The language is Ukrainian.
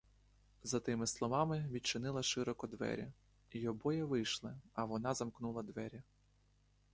За тими словами відчинила широко двері, й обоє вийшли, а вона замкнула двері.